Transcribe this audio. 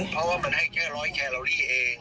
เพราะว่ามันให้แค่ร้อยแคลอรี่เอง